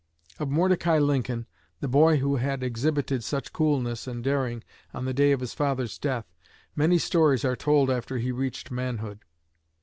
Of Mordecai Lincoln, the boy who had exhibited such coolness and daring on the day of his father's death, many stories are told after he reached manhood.